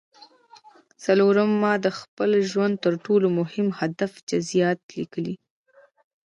څلورم ما د خپل ژوند د تر ټولو مهم هدف جزييات ليکلي.